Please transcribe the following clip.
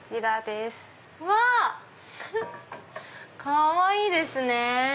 かわいいですね。